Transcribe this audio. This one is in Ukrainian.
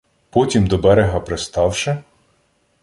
Потім до берега приставши